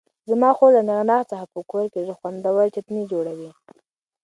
زما خور له نعناع څخه په کور کې ډېر خوندور چتني جوړوي.